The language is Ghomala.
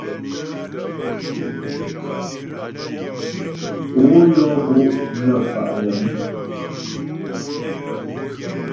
Ó yɔ́ gó' nə fa' yəŋ.